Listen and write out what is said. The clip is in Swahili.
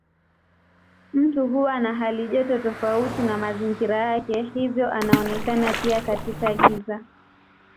Mtu huwa na halijoto tofauti na mazingira yake hivyo anaonekana pia katika giza.